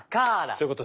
そういうこと。